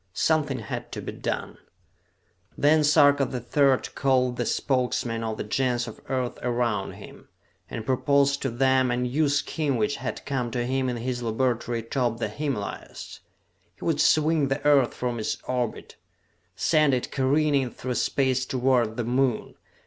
Something had to be done. Then Sarka the Third called the Spokesmen of the Gens of Earth around him, and proposed to them a new scheme which had come to him in his laboratory atop the Himalayas. He would swing the Earth from its orbit! send it careening through space toward the Moon!